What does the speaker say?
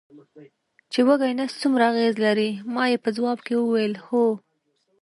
چې وږی نس څومره اغېز لري، ما یې په ځواب کې وویل: هو.